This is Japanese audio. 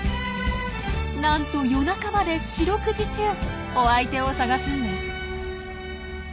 なんと夜中まで四六時中お相手を探すんです。